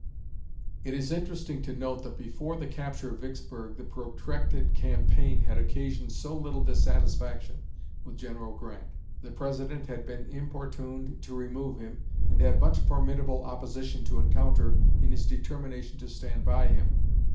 It is interesting to note that before the capture of Vicksburg the protracted campaign had occasioned no little dissatisfaction with General Grant; the President had been importuned to remove him, and had much formidable opposition to encounter in his determination to stand by him.